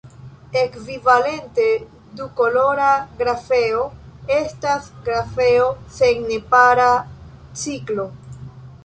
Ekvivalente, dukolora grafeo estas grafeo sen nepara ciklo.